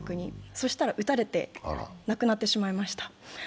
そうしたら撃たれて亡くなってしまいました。